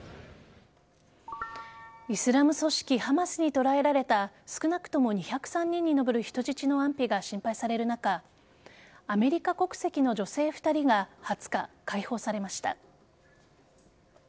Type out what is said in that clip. イスラム組織ハマスに捕らえられた少なくとも２０３人に上る人質の安否が心配される中アメリカ国籍の女性２人が２０日解放されました。